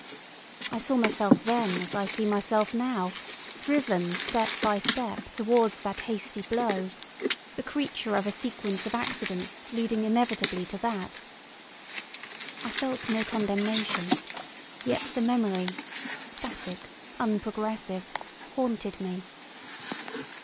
I saw myself then as I see myself now, driven step by step towards that hasty blow, the creature of a sequence of accidents leading inevitably to that. I felt no condemnation; yet the memory, static, unprogressive, haunted me.